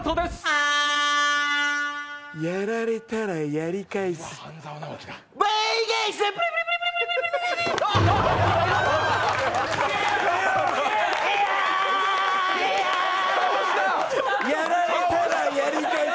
やられたらやり返す、倍返し！